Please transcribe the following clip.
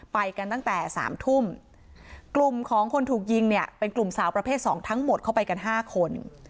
ไปกันตั้งแต่สามทุ่มกลุ่มของคนถูกยิงเนี่ยเป็นกลุ่มสาวประเภทสองทั้งหมดเข้าไปกัน๕คน